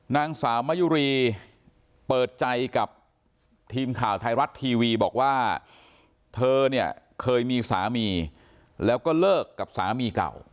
นางสาวมะยุรีเปิดใจกับทีมข่าวไทยรัฐทีวีบอกว่าเธอเนี่ยเคยมีสามีแล้วก็เลิกกับสามีเก่า